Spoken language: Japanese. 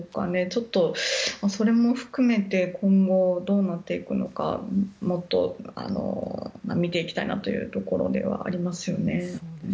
ちょっと、それも含めて今後どうなっていくのかもっと見ていきたいなというところではありますよね。